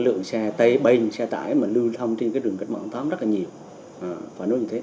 lượng xe tay bay xe tải lưu thông trên rừng cách mạng tóm rất là nhiều